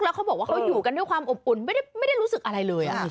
แล้วเขาบอกว่าเขาอยู่กันด้วยความอบอุ่นไม่ได้รู้สึกอะไรเลย